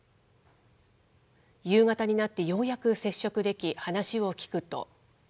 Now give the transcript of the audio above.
夕方になってようやく接触でき、話を聞くと。